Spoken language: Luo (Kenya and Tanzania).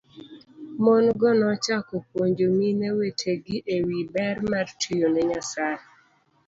Mon go nochako puonjo mine wetegi e wi ber mar tiyo ne Nyasaye